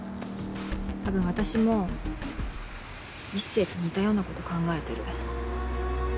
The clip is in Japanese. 多分私も一星と似たようなこと考えてる。